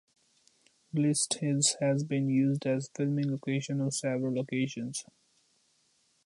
Blists Hill has been used as a filming location on several occasions.